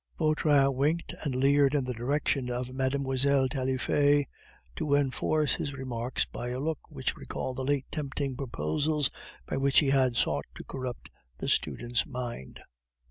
Vautrin winked and leered in the direction of Mlle. Taillefer to enforce his remarks by a look which recalled the late tempting proposals by which he had sought to corrupt the student's mind.